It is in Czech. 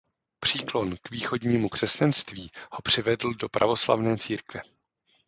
Příklon k východnímu křesťanství ho přivedl do pravoslavné církve.